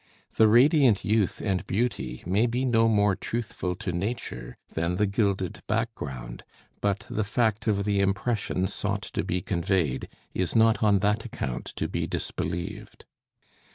The radiant youth and beauty may be no more truthful to nature than the gilded background, but the fact of the impression sought to be conveyed is not on that account to be disbelieved.